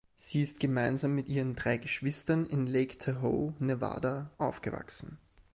Sie ist gemeinsam mit ihren drei Geschwistern in Lake Tahoe, Nevada aufgewachsen.